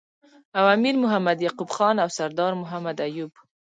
او امیر محمد یعقوب خان او سردار محمد ایوب